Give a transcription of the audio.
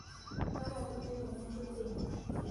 ระบบอินเทอร์เน็ตในทุกสิ่ง